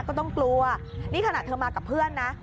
ก็ต้องกลัวนี่ขณะเธอมากับเพื่อนนะ